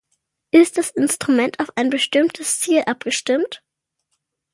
Ist das Instrument auf ein bestimmtes Ziel abgestimmt?